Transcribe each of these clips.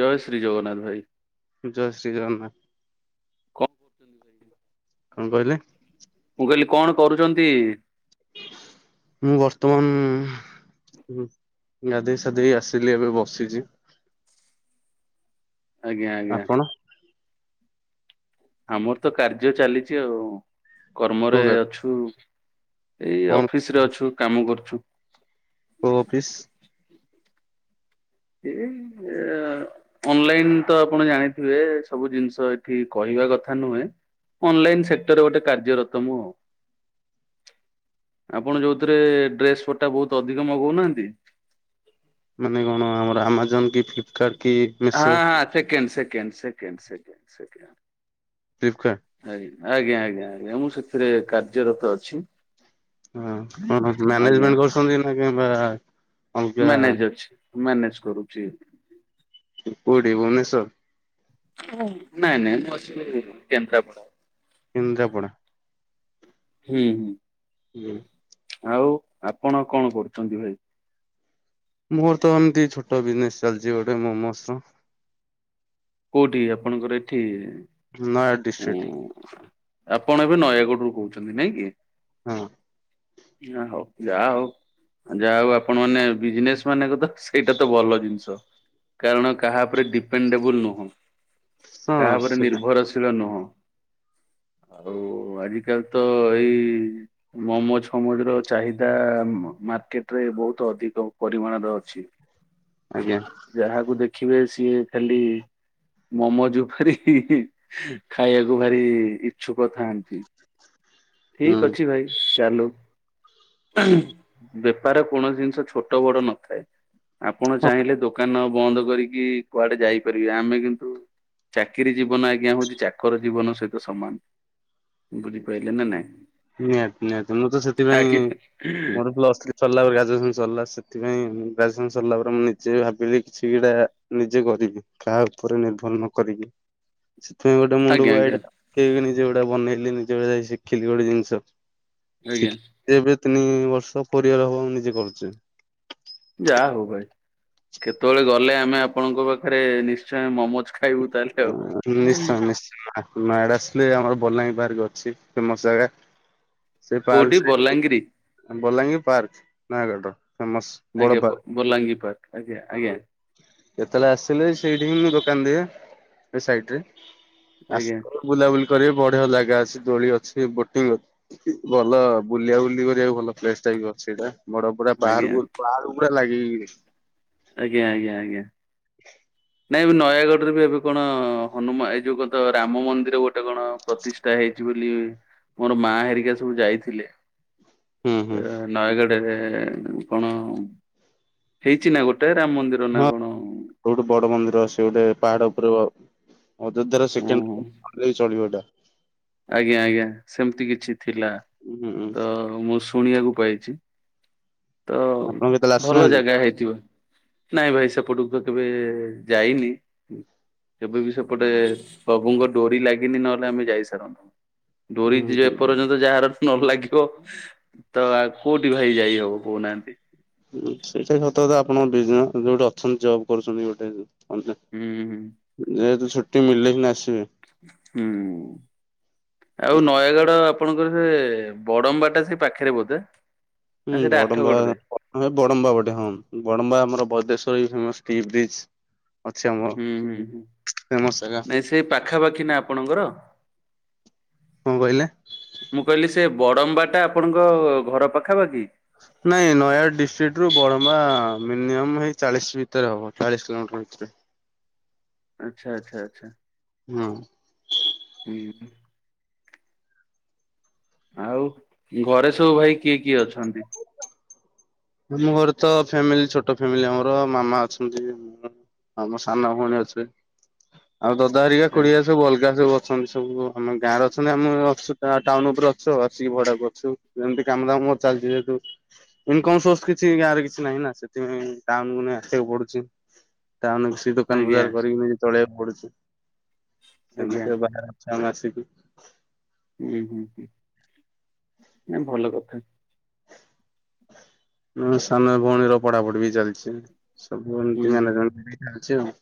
ଜୟ ଶ୍ରୀ ଜଗନ୍ନାଥ ଭାଇ। ଜୟ ଶ୍ରୀ ଜଗନ୍ନାଥ। କଣ କରର୍ଯ୍ୟନ୍ତ ଯାଇ। କଣ କହିଲେ? ମୁଁ କହିଲି କଣ କରୁଛନ୍ତି। ମୁଁ ବର୍ତ୍ତମାନ ଗାଧେଇ ଶାଧେଇ ଆସିଲି ଏବେ ବସିଛି। ଆଜ୍ଞା ଆଜ୍ଞା। ଆପଣ ଆମର ତ କାର୍ଯ୍ୟ ଚାଲିଛି ଆଉ କୋଉ କର୍ମରେ ଗା ଅଛୁ। ଏଇ କଣ ଅଫିସ ରେ ଅଛୁ କାମ କରୁଛୁ। ଓ ଅଫିସ୍ ଏ ଅନଲାଇନ ତ ଆପଣ ଜାଣିଥିବେ ସବୁ ଜିନିଷ ଏଠି କହିବା କଥା ନୁହେଁ। ଅନଲାଇନ୍ ସେକ୍ଟର ଗୋଟେ କାର୍ଯ୍ୟରତ ମୁହ ଆପଣ ଯୋଉଥିରେ ଡ୍ରେସ ପଟା ବହୁତ ଅଧିକ ମଗଉନାହାନ୍ତି। ମାନେ କଣ ଆମର ଆମାଜନ କି ଫ୍ଲିପକାର୍ଟ କି ହଁ ମିଶୋ ହଁ ସେକେଣ୍ଡ ସେକଣ୍ଡ ସେକଣ୍ଡ ସେକଣ୍ଡ ସେକ ଫ୍ଲିପକାର୍ଟ। ଆଜା ଆଜ୍ଞା ଆଜ୍ଞା ଆଜ୍ଞା ମୁଁ ସେଥିରେ କାର୍ଯ୍ୟରତ ଅଛି। ହ ଆଜ୍ଞା। ମ୍ୟାନେଜମେଣ୍ଟ କରୁଛନ୍ତି ନା କିମ୍ବା ଅଲଗା ମ୍ୟାନେଜ ଅଛି ମ୍ୟାନେଜ କରୁଛି। କୋଉଠି ଭୁବନେଶ୍ୱର। ନାଇଁ ନାଇଁ ମୁଁ ଅସ କେନ୍ଦ୍ରାପଡା। କେନ୍ଦ୍ରପଡ଼ା। ହୁଁ ହୁଁ ହୁଁ ଆଉ ଆପଣ କଣ କରୁଛନ୍ତି ଭାଇ। ମୋର ତ ଏମିତି ଛୋଟ ବିଜନେସ୍ ଚାଲିଛି ଗୋଟେ ମୋମୋସ। କୋଉଠି ଆପଣଙ୍କର ଏଠି। ନ ଓ ଆପଣ ଏବେ ନୟାଗଡରୁୁ କହୁଛନ୍ତି ନାଇଁ କି। ହଁ ଆ ହଉ ଯାହା ହଉ ଯାହା ହଉ ଆପଣ ମାନେ ବିଜନେସ ମାନେଙ୍କଥା। ସେଇଟା ତ ଭଲ ଜିନିଷ କାରଣ କାହା ଉପରେ ଡିପେଣ୍ଡେବୁଲ ନୁହଁ। ହଁ ତାହା ଉପରେ ସେଇଟା ନିର୍ଭରଶୀଳ ନୁହଁ। ଆଉ ଆଜିକାଲି ତ ଏଇ ମମୋଜ ଫମୋଜ ର ଚାହିଦା ମାର୍କେଟ ରେ ବହୁତ ଅଧିକ ପରିମାଣରେ ଅଛି। ଆଜ୍ଞା। ଯାହାକୁ ଦେଖିବେ ସିଏ ଖାଲି ମମଜ ଉପାର। ଖାଇବାକୁ ଭାରି ଇଛୁକ ଥାନ୍ତି। ହୁଁ ଠିକ ଅଛି ଭାଇ ଚାଲୁ। ବେପାର କୌଣସି ଜିନିଷ ଛୋଟ ବଡ ନଥାଏ। ଆପଣ ଚାହିଁଲେ ଦୋକାନ ବନ୍ଦ କରିକି। କୁଆଡେ ଯାଇପାରିବେ ଆମେ କିନ୍ତୁ ଚାକିରି ଜୀବନ ଆଜ୍ଞା ହଉଛି ଚାକର ଜୀବନ ସହିତ ସମାନ ବୁଝିପାରିଲେ ନା ନାଇଁ। ନିହାତି ନିହାତି ମୁଁ ତ ସେଥିପାଇଁ ଆଜ୍ଞା ମୋର ପ୍ଲସ ସରିଲା ପରେ ଗ୍ରାଜୁଏସନ ସରିଲା। ସେଥିପାଇଁ ଗ୍ରାଜୁଏସନ ସରିଲାପରେ ମୁଁ ନିଜେ ଭାବିଲି କିଛିଟା ମୁଁ ନିଜେ କରିବି। କାହା ଉପରେ ନିର୍ଭର ନ କରିବି। ସେଥିପାଇଁ ଗୋଟେ ଆଜ୍ଞା ମୁଣ୍ଡକୁ ଆଜ୍ଞା ଆଇଡ଼ିଆ ପକେଇକି ନିଜେ ଗୋଟେ ବନେଇଲି ନିଜେ ଭାଇ ଶିଖିଲି ଗୋଟେ ଜିନି ଶ ଆଜ୍ଞା ଶିଖ ଏବେ ତିନି ବର୍ଷ ଫୋର ଇଅର ହବ ମୁଁ ନିଜେ କରୁଛି। ଯାହା ହଉ ଭାଇ କେତେବେଳେ ଗଲେ ଆମେ ଆପଣଙ୍କ ପାଖରେ ନିଶ୍ଚୟ ମୋମଜ ଖାଇବୁ ତାହେଲେ ଆଉ। ନୟାଗଡ ଆସିଲେ ଆମର ବଲାଙ୍ଗୀ ପାର୍କ ଅଛି ଫେମସ ଜାଗା। ସେ ପାର୍କ କୋଉଠି ସାଇଡକୁ ବଲାଙ୍ଗିରି? ବଲାଙ୍ଗୀ ପାର୍କ ନୟାଗଡର ଫେମସ। ବଡ ଆଜ୍ଞା ବ ବଲାଙ୍ଗୀ ପାର୍କ ଆଜ୍ଞା ଆଜ୍ଞା। କେତେବେଳେ ଆସିଲେ ସେଇଠି ହି ମୁ ଦୋକାନ ଦିଏ ସେ ସାଇଟରେ। ଆଜ୍ଞା ଆସ ବୁଲାବୁଲି କରିବେ ବଢିଆ ଜାଗା ଅଛି ଦୋଳି ଅଛି ବୋଟିଂ ଅଛି। ଭଲ ବୁଲିବା ବୁଲି କରିବାକୁ ଭଲ ପ୍ଲେସ ଟା ବି ଅଛି ସେଇଟା। ବଡପଡା ଆଜ୍ଞା ପାହାଡ଼କୁ ପାହାଡକୁ ପୁରା ଲାଗିକି ଆଜ୍ଞ ଆଜ୍ଞା ଆଜ୍ଞା। [unintelligible] ନାଇଁ ଏବେ ନୟାଗଡ଼ରେ ବି ଏବେ କଣ ହନୁମା ଏଇ ଯୋଉ କଣ ତ ରାମ ମନ୍ଦିର ଗୋଟେ କଣ ପ୍ରତିଷ୍ଠ ଷ୍ଠା ହେଇଛି ବୋଲି ମୋର ମା ହେରିକା ସବୁ ଯାଇଥିଲେ। ହୁଁ ହୁଁ ନୟାଗଡ଼ରେ କଣ ହେଇଛି ନା ଗୋଟେ ରାମ ମନ୍ଦିର ନା କଣ ସବୁଠୁ ବଡ ମନ୍ଦିର ସେ ଗୋଟେ ପାହାଡ ଉପରେ ଅ ଅଯୋଧ୍ୟାର ହୁଁ ସେକେଣ୍ଡ [inaudible] ଚଳିବ ଏଇଟା। ଆଜ୍ଞା ଆଜ୍ଞା ସେମିତି କିଛି ଥିଲା ହୁଁ ତ ମୁଁ ସୁ ଶୁଣିବାକୁ ପାଇଛି ତ ଆପଣ କେତେବେଳେ ଭଲ ଆସିନାହାନ୍ତି? ଜାଗା ହେଇଥିବ। ନାଇଁ ଭାଇ ସେପଟକୁ ତ କେବେ ଯାଇନି। କେବେ ବି ସେପଟେ ପ୍ରଭୁଙ୍କ ଡୋରି ଲାଗିନି ନହେଲେ ଆମେ ଯାଇସାରନ୍ତୁ। ଡୋରି ହୁଁ ଯିଏ ଏପର୍ଯ୍ୟନ୍ତ ଯାହାର ନଲାଗିବ ତ ଆଉ କୋଉଠି ଭାଇ ଯାଇ ହବ କହୁନାହାନ୍ତି। ସେଇଟା ସତ କଥା ଆପଣ ବିଜନେ ଯୋଉଟା ଅଛନ୍ତି ଜବ୍ କରୁଛନ୍ତି ଗୋଟେ [unintelligible] ହୁଁ ହୁଁ। ଯେହେତୁ ଛୁଟି ମିଳିଲେ ସିନା ଆସିବି। ହୁଁ ଆଉ ନୟାଗଡ଼ ଆପଣଙ୍କର ସେ ବଡମ୍ବାଟା ସେ ପାଖରେ ବୋଧେ? ନା ହୁଁ ସେଇଟା ବଡମ୍ବା ଆଠଗଡରେ? ବଡମ୍ବା ପଟେ ହଁ ବଡମ୍ବା ଆମର ବଦେଶ୍ର ଫେମସ୍ ଟି ବିଚ୍ ଅଛି ଆମର ଫେମସ ଜାଗା। ସେ ପାଖାପାଖି ନା ଆପଣଙ୍କର? କଣ କହିଲେ? ମୁଁ କହିଲି ସେ ବଡମ୍ବାଟା ଆପଣଙ୍କ ଘର ପାଖାପାଖି? ନାଇଁ ନୟାଗଡ଼ ଡିଷ୍ଟ୍ରିକ୍ଟରୁ ବଡମା ମିନିମମ୍ ହେଇ ଚାଳିଶ ଭିତରେ ହବ ଚାଳିଶ କିଲୋମିଟର ଭିତରେ। ଆଚ୍ଛା ଆଚ୍ଛା ଆଚ୍ଛା। ହୁଁ। ହୁଁ। ଆଉ ଘରେ ସବୁ ଭାଇ କିଏ କିଏ ଅଛନ୍ତି? ଆମ ଘରେ ତ ଫ୍ୟାମିଲି ଛୋଟ ଫ୍ୟାମିଲି ଆମର ମାମା ଅଛନ୍ତି ଆଉ ମୋ ସାନ ଭଉଣୀ ଅଛି। ଆଉ ଦଦା ହେରିକା ଖୁଡି ହେରିକା ସବୁ ଅଲଗ ଗା ସବୁ ଅଛନ୍ତି ସବୁ ଆମ ଗାଁରେ ଅଛନ୍ତି ଆମେ ଅଛୁ ଟା ଟାଉନ ଉପରେ ଅଛୁ ଆସିକି ଭଡାକୁ ଅଛୁ। ଏମିତି କାମ ଦାମ ମୋର ଚାଲିଛି ଯେହେତୁ ଇନକମ୍ ସୋର୍ସ କିଛି ଗାଁରେ କିଛି ନାହିଁନା ସେଥିପାଇଁ ଟାଉନକୁ ନେଇ ଆସିବାକୁ ପଡୁଛି। ଟାଉନ୍ କି ଦୋକାନ ଆଜ୍ଞା ବଜାର କରିକି ନିଜେ ଚଳେଇବାକୁ ପଡୁଛି ଆଜ୍ଞା ସେମିତି ଆଉ ବାହାରେ ଅଛି ଆମେ ଆସିକି। ହୁଁ ହୁଁ ହୁଁ ନାଇଁ ଭଲ କଥା। ମୋ ସାନ ଭଉଣୀର ପଢାପଢି ବି ଚାଲଛି ସବୁ ହୁଁ ଏମିତି ହୁଁ ମ୍ୟାନେଜମେଣ୍ଟ ହେଇକି ଚାଲଛି ଆଉ।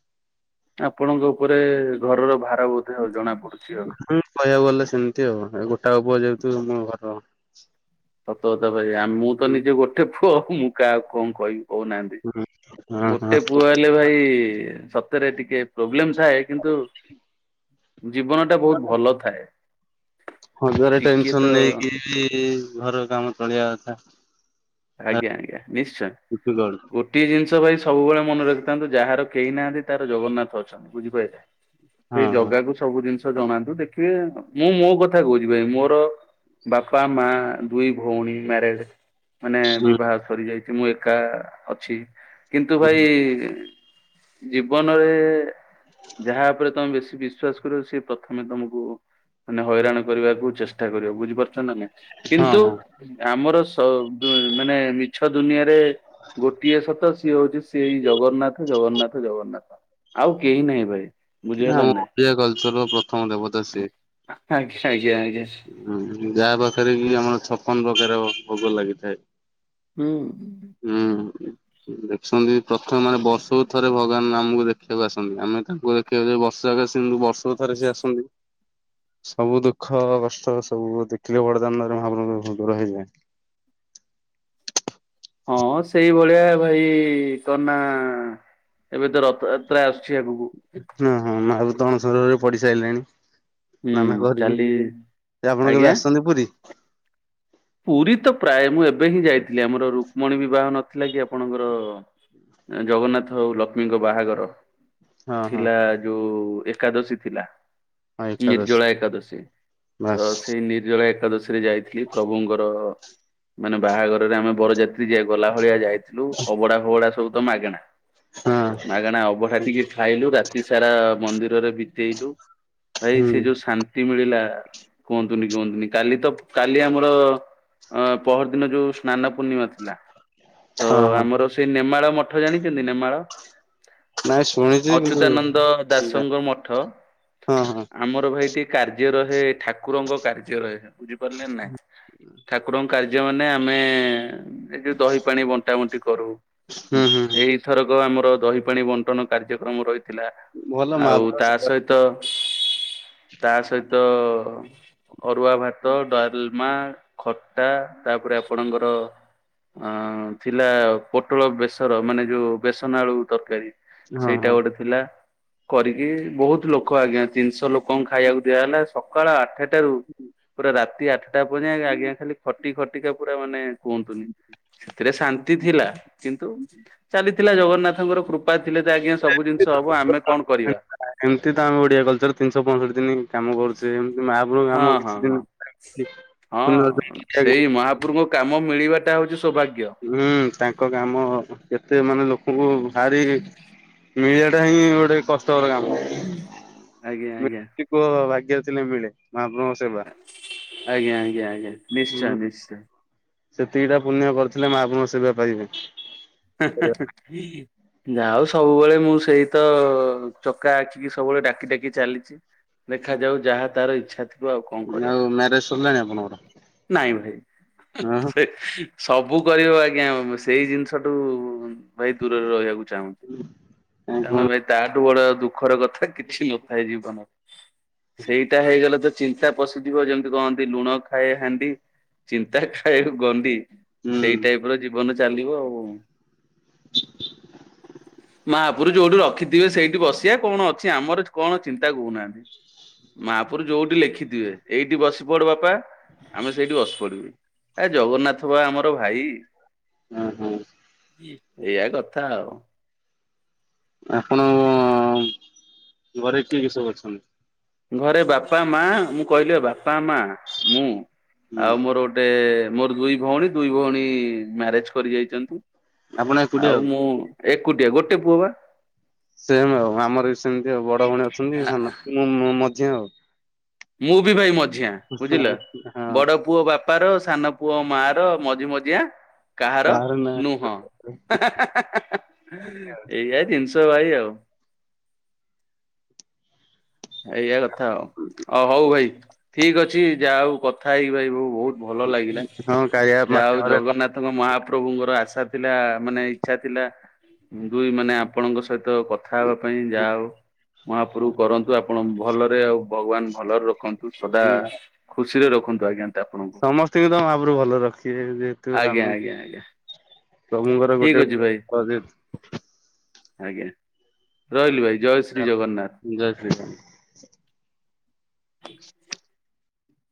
ଆପଣଙ୍କ ଉପରେ ଘରର ଭାର ବୋଧେ ଆଉ ଜଣାପଡୁଛି ଆଉ। ହୁଁ କହିବାକୁ ଗଲେ ସେମତି ଆଉ ଏ ଗୋଟାକ ପୁଅ ଯେହେତୁ ମୁଁ ଘର। ସତକଥା ଭାଇ ଆ ମୁଁ ତ ହୁଁ ନିଜେ ଗୋଟେପୁଅ ମୁଁ କାହାକୁ କଣ କହିବି। କହୁନାହାନ୍ତି ହୁଁ ହଁ ହଁ। ଗୋଟେ ପୁଅ ହେଲେ ଭାଇ ସତରେ ଟିକେ। ପ୍ରୋବ୍ଲେମ ଥାଏ କିନ୍ତୁ ଜୀବନଟା ବହୁତ ଭଲ ଥାଏ। ହଜାରେ ଟିକିଏ ଟେନସନ୍ ତ ନେଇକି ବି ଘର କାମ ଚଳିବା କଥା। ଭାରି ଆଜ୍ଞା ଆଜ୍ଞା ନିଶ୍ଚୟ ଡିଫିକଲ୍ଟ ଗୋ ଟିଏ ଜିନିଷ ଭାଇ ସବୁବେଳେ ମନେ ରଖିଥାନ୍ତୁ ଯାହାର କେହି ନାହାନ୍ତି ତାର ଜଗନ୍ନାଥ ଅଛନ୍ତି ବୁଝିପାଇଲେ। ହଁ ସେଇ ହଁ ଜଗାକୁ ସବୁ ଜିନିଷ ଜଣାନ୍ତୁ ଦେଖିବେ ମୁଁ ମୋ କଥା କହୁଛି ଭାଇ ମୋର। ବାପା ମା ଦୁଇ ଭଉଣି ମ୍ୟାରେଜ୍। ମାନେ ହୁଁ ବିବାହ ସରିଯାଇଚି ମୁଁ ଏକା ଅଛି କିନ୍ତୁ ଭାଇ। ଜୀବନରେ। ଯାହା ଉପରେ ତମେ ବେଶି ବିଶ୍ଵାସ କରିବ ସିଏ ପ୍ରଥମେ ତମୁକୁ। ମାନେ ହଇରାଣ କରିବାକୁ ଚେଷ୍ଟା କରିବ ବୁଝିପାରୁଚ ନା ନାଇଁ ହଁ କିନ୍ତୁ ହଁ ଆମର ସବ୍ ଉଁ ମାନେ ମିଛ ଦୁନିଆରେ। ଗୋଟିଏ ସତ ସିଏ ହଉଛି ସେଇ ଜଗନ୍ନାଥ ଜଗନ୍ନାଥ ଜଗନ୍ନାଥ। ଆଉ କେହି ନାହିଁ ଭାଇ। ନା ଆମ ଓଡିଆ କଲଚରର ପ୍ରଥମ ଦେବତା ସିଏ। ଆ ଆଜ୍ଞା ଆଜ୍ଞା ଆଜ୍ଞା। ହୁଁ ଯାହା ପାଖେରେ କି ଆମର ଛପନ ପ୍ରକାର ଭୋଗ ଲାଗିଥାଏ। ହୁଁ। ହୁଁ। ଦେଖୁଛନ୍ତି ପ୍ରଥମେ ମାନେ ବର୍ଷକୁ ଥରେ ଭଗବାନ ଆମୁକୁ ଦେଖିବାକୁ ଆସନ୍ତି ଆମେ ତାଙ୍କୁ ଦେ ଖିବାକୁ ଯାଉ ବର୍ଷ ଜାଗ ସେମିତି ବର୍ଷକୁ ଥରେ ସିଏ ଆସନ୍ତି ସବୁ ଦୁଃଖ କଷ୍ଟ ସବୁ ଦେଖିଲେ ବଡ଼ଦାଣ୍ଡରେ ମହାପ୍ରଭୁଙ୍କୁ ଦୂର ହେଇଯାଏ। ହଁ ସେଇ ଭଳିଆ ଭାଇ ତ ନା। ଏବେ ତ ରଥଯାତ୍ରା ଆସୁଛି ଆଗୁକୁ। ହଁ ହଁ ମହାପ୍ରଭୁ ତ ଅଣସରରେ ପଡିିସାଇଲେଣି। ହୁଁ ସ୍ନାନ କରିକି କାଲି ଯେ ଆପଣ ଆଜ୍ଞା। କେବେ ଆସଛନ୍ତି ପୁରୀ? ପୁରୀ ତ ପ୍ରାୟେ ମୁଁ ଏବେ ହିଁ ଯାଇଥିଲି ଆମର ରୁକ୍ମଣୀ ବିବାହ ନଥିଲା କି ଆପଣଙ୍କର। ଏଁ ଜଗନ୍ନାଥ ଆଉ ଲକ୍ଷ୍ମୀଙ୍କ ବାହାଘର। ହଁ ହଁ ଥିଲା ଯୋଉ ଏକାଦଶୀ ଥିଲା। ହଁ ଏକାଦଶୀ। ନିର୍ଜଳା ଏକାଦଶୀ ତ ବାସ୍ ସେଇ ନିର୍ଜଳା ଏକାଦଶୀ ରେ ଯାଇଥିଲି। ପ୍ରଭୁଙ୍କର ମାନେ ବାହାଘର। ରେ ଆମେ ବରଯାତ୍ରୀ ଯେ ଗଲା ଭଳିଆ ଯାଇଥିଲୁ ଅବଢ଼ା ଫବଢା ସବୁ ତ ମାଗେଣା। ହଁ। କାଣା ଅବଢ଼ା ଟିକେ ଖାଇଲୁ ରାତିସାରା ମନ୍ଦିରରେ ବିତେଇଲୁ ଭାଇ ହୁଁ ସେ ଯୋଉ ଶା ନ୍ତି ମିଳିଲା କୁହନ୍ତୁନି କୁହନ୍ତୁନି କାଲି ତ କାଲି ଆମ ର ଅଁ ପହରଦିନ ଯୋଉ ସ୍ନାନ ପୂର୍ଣିମା ଥିଲା ତ ହଁ ହଁ ଆମର। ସେ ନେମାଳ ମଠ ଜାଣିଚନ୍ତି ନେମାଳ? ନାଇଁ ଶୁଣିଛି କିନ୍ତୁ ଅଚ୍ୟୁତାନନ୍ଦ ହଁ ଦାସଙ୍କ ମଠ ହଁ ଆମର ଭାଇ ଟିକେ କାର୍ଯ୍ୟ ରହେ ଠାକୁରଙ୍କ କାର୍ଯ୍ୟ ରହେ ବୁଝିପାରିଲେନା। ଠାକୁରଙ୍କ କାର୍ଯ୍ୟ ମାନେ ଆମେ ଏ ଯୋଉ ଦହି ପାଣି ବଣ୍ଟା ବଣ୍ଟି କରୁ ହୁଁ ହୁଁ ହୁଁ ଏଇଥରକ ଆମର ଦହି ପାଣି ବଣ୍ଟନ କାର୍ଯ୍ୟକ୍ରମ ରହି ଥିଲା ଭଲ ଆଉ ମହାପ୍ରଭୁଙ୍କ ସେବା ତାସହିତ ତା ସହିତ ଅରୁଆଭାତ, ଡାଲ ମା ଖଟା ତାପରେ ଆପଣଙ୍କର ଅଁ ହୁଁ। ଥିଲା ପୋଟଳ ବେସର ମାନେ ଯୋଉ ବେସନ ଆଳୁ ତରକାରୀ ହଁ ସେଇଟା ହଁ। ଗୋଟେ ଥିଲା। କରିକି ବହୁତ ଲୋକ ଆଜ୍ଞା ତିନିଶହ ଲୋକଙ୍କୁ ଖାଇବାକୁ ଦିଆଗଲା ସକାଳ ଆଠେ ଟାରୁ ପୁରା ରାତି ଆଠଟା ପର୍ଯ୍ୟନ୍ତ ଆଜ୍ଞା ଖାଲି ଖଟି ଖଟିକା ପୁରା ମାନେ କୁହନ୍ତୁନି ସେଥିରେ ଶାନ୍ତି ଥିଲା କିନ୍ତୁ ଚାଲିଥିଲା ଜଗନ୍ନାଥଙ୍କର କୃ କୃପା ଥିଲେତ ଆଜ୍ଞ ସବୁ ଜିନିଷ ହବ ଆମେ କଣ କରିବା। ଏମିତିତ ଆମେ ଓଡିଆ କଲଚର୍ ତିନିଶହ ପଞ୍ଚଷଠି ଦିନ କାମ କରୁଚେ ଏମିତି ମହାପୁରୁୁ ହଁ ଆମ ହଁ କିଛି ହଁ। ଦିନ୍ [inaudible] ହଁ ସେଇ ମହାପ୍ରଭୁଙ୍କ କାମ ମିଳିବାଟା ହଉଚି ସୌଭାଗ୍ୟ। ହୁଁ ତାଙ୍କ କାମ କେତେ ମାନେ ଲୋକଙ୍କୁ ଭାରି ମିଳିଆବାଟା ହିଁ ଗୋଟେ କଷ୍ଟକର କାମ। ଆଜ୍ଞା ଆଜ୍ଞା। ଥିବ ଭାଗ୍ୟ ଥିଲେ ମିଳେ ମାହାପ୍ର ଆଜ୍ଞା ଆଜ୍ଞା ଆଜ୍ଞା ନିଶ୍ଚୟ ହୁଁ ନିଶ୍ଚୟ। ସେତିକିଟା ପୁଣ୍ୟ କରିଥିଲେ ମା ଆପଣଙ୍କ ସେବା ପାଇବେ। [inaudible] ଯାଉ ସବୁବେଳେ ମୁଁ ସେଇତ ଚକା ଆଖିକି ସବୁବେଳେ ଡାକି ଡାକି ଚାଲିଚି। ଦେଖାଯାଉ ଯାହା ତାର ଇଚ୍ଛା ଥି ଆଉ ମ୍ୟାରେଜ ସରିଲାଣି ଆପଣଙ୍କର? ନାଇଁ ହଁ ଭାଇ। ସବୁ କରିବ ଆଜ୍ଞା ସେଇ ଜିନିଷଠୁ ଭାଇ ଦୂରରେ ରହିବାକୁ ଚାହୁଁ। କାଇଁ କଣ କାରଣ ଭାଇ ତାଠୁ ବଡ଼ ଦୁଃଖର କଥା କିଛି ନଥାଏ ଜୀବନରେ। ସେଇଟା ହେଇଗଲେତ ଚିନ୍ତା ପଶୁଥିବ ଯେମିତି କହନ୍ତି ଲୁଣ ଖାଏ ହାଣ୍ଡି ଚିନ୍ତା ଖାଏ ଗଣ୍ଡି ହୁଁ ସେଇ ଟାଇପର ଜି ଜୀବନ ଚାଲିବ ଆଉ। ମହାପୁରୁ ଯୋଉଠି ରଖିଥିବେ ସେଇଠି ବସିବା କଣ ଅ ଅଛି ଆମର କଣ ଚିନ୍ତା କହୁନାହାନ୍ତି ମାପୁରୁ ଯୋଉଠି ଲେଖିଥିବେ। ଏଇଠି ବସି ପଡ଼ ବାପା। ଆମେ ସେଇଠି ବସିପଡ଼ିବି ଏ ଜଗନ୍ନାଥବା ଆମର ଭାଇ। ହୁଁ ହୁଁ। ଏଇଆ କଥା ଆଉ। ଆପଣଙ୍କ ଘରେ କିଏ କିଏ ସବୁ ଅଛନ୍ତି? ଘରେ ବାପା ମା ମୁଁ କହିଲି ବାପା ମା ମୁଁ ହୁଁ ଆଉ ମୋର ଗୋ ଗୋଟେ ମୋର ଦୁଇ ଭଉଣୀ ଦୁଇ ଭଉଣୀ ମ୍ୟାରେଜ କରି ଯାଇଚନ୍ତି। ଆପଣ ଏକୁଟିଆ ଆଉ ମୁଁ ଏକୁଟିଆ ଗୋଟେ ପୁଅବା। ସେମ୍ ଆଉ ଆମରବି ସେମିତି ଆଉ ବଡ଼ ଭଉଣୀ ଅଛନ୍ତି ସାନ ମୁଁ ମୁଁ ମଝିଆ ଆଉ। ମୁଁ ବି ଭାଇ ମଝିଆ ବୁଝିଲ ହଁ ବଡ଼ ପୁଅ ବାପା ର ସାନ ପୁଅ ମା ର ମଝି ମଝିଆ କାହାର ନୁହଁ। ଏଇଆ ଜିନିଷ ଭାଇ ଆଉ। ଏଇଆ କଥା ଆଉ ଅ ହଉ ଭାଇ ଠିକ୍ ଅଛି ଯା ହଉ କଥା ହେଇକି ଭାଇ ବହୁତ୍ ଭଲ ଲାଗିଲା ହଁ କାଳିଆ ଯାହାହଉ ମାଧ୍ୟମରେ ଜଗନ୍ନାଥ ତାଙ୍କ ମହାପ୍ରଭୁଙ୍କର ଆଶା ଥିଲା ମାନେ ଇଚ୍ଛା ଥିଲା ଦୁଇ ମାନେ ଆପଣଙ୍କ ସହିତ କଥା ହେବା ପାଇଁ ଯାହା ହଉ ମହାପ୍ରଭୁ କରନ୍ତୁ ଆପଣ ଭଲରେ ଆଉ ଭଗବାନ୍ ଭଲରେ ରଖନ୍ତୁ ସଦା ଖୁସିରେ ରଖନ୍ତୁ ଆଜ୍ଞା। ଆପଣଙ୍କୁ ସମସ୍ତଙ୍କିତ ମହାପ୍ରଭୁ ଭଲ ରଖିବେ ଯେହେତୁ ଆମକୁ ଠିକି ଅଛି ଭାଇ ଆଜ୍ଞା ରହିଲି ଭାଇ ଜୟ ଶ୍ରୀ ଜଗନ୍ନାଥ। ଜୟ ଶ୍ରୀ ରାମ।